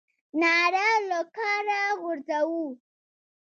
ناره له کاره غورځوو.